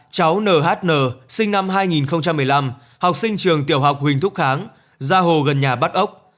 cháu nhn sinh năm hai nghìn một mươi năm học sinh trường tiểu học huỳnh thúc kháng ra hồ gần nhà bắt ốc